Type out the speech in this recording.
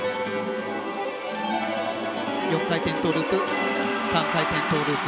４回転トウループ３回転トウループ。